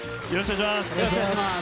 よろしくお願いします。